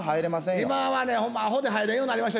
今はねアホで入れんようになりました。